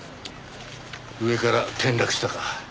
上から転落したか。